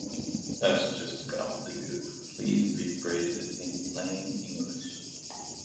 That’s just gobbledegook! Please rephrase it in plain English